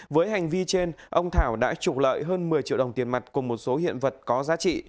với hành vi trên ông thảo đã trục lợi hơn một mươi triệu đồng tiền mặt cùng một số hiện vật có giá trị